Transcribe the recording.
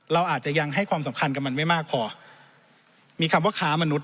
เราอาจจะยังให้ความสำคัญกับมันไม่มากพอมีคำว่าค้ามนุษ